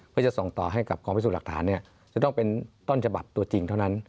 เพื่อจะส่งต่อให้กับกองพิสูจน์หลักฐานจะต้องเป็นต้นฉบับตัวจริงเท่านั้น